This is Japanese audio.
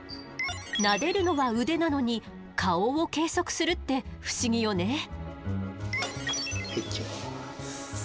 なでるのは腕なのに顔を計測するって不思議よね。